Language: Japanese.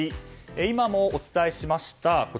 今もお伝えしました